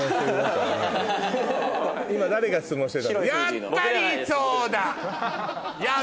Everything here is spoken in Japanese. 今誰が質問してたの？